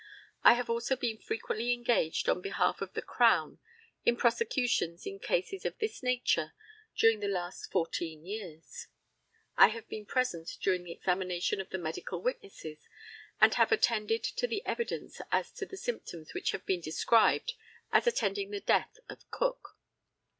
I have also been frequently engaged on behalf of the Crown in prosecutions in cases of this nature during the last 14 years. I have been present during the examination of the medical witnesses, and have attended to the evidence as to the symptoms which have been described as attending the death of Cook.